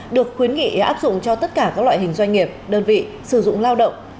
được khuyến nghị áp dụng cho tất cả các loại hình doanh nghiệp đơn vị sử dụng lao động